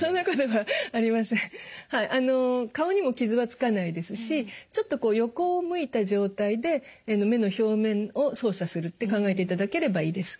はい顔にも傷はつかないですしちょっと横を向いた状態で目の表面を操作するって考えていただければいいです。